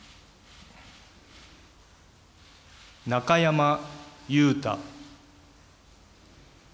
中山雄太。